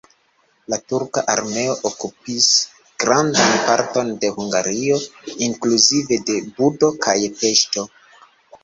La turka armeo okupis grandan parton de Hungario inkluzive de Budo kaj Peŝto.